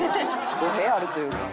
語弊あるというか。